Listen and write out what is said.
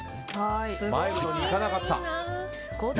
マイルドにいかなかった。